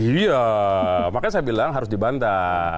iya makanya saya bilang harus dibantah